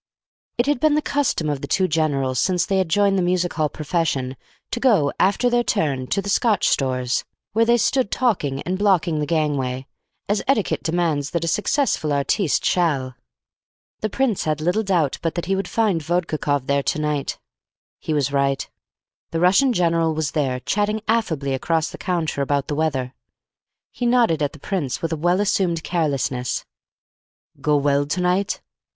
It had been the custom of the two generals, since they had joined the music hall profession, to go, after their turn, to the Scotch Stores, where they stood talking and blocking the gangway, as etiquette demands that a successful artiste shall. The Prince had little doubt but that he would find Vodkakoff there to night. He was right. The Russian general was there, chatting affably across the counter about the weather. He nodded at the Prince with a well assumed carelessness. "Go well to night?"